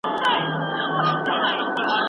راتلونکی په اوسني وخت کي جوړېږي.